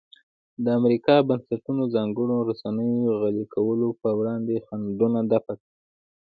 د امریکا بنسټونو ځانګړنو رسنیو غلي کولو پر وړاندې خنډونه دفع کړي.